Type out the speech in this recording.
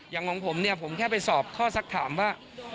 อย่างของผมเนี่ยผมแค่ไปสอบข้อสักถามว่า